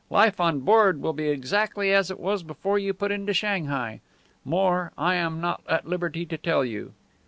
Life on board will be exactly as it was before you put into Shanghai. More I am not at liberty to tell you."